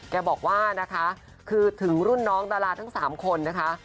แบบว่ะนะคะรุ่นน้องตลาดทั้งสามคนนะคะ